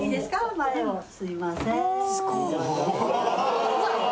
前をすいません